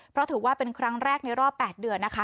เพราะถือว่าเป็นครั้งแรกในรอบ๘เดือนนะคะ